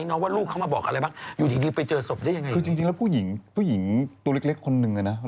อย่างฉันทุกวันนี้โดนกงไปฉันยังตามด่าอยู่ไม่ได้ขืนเลย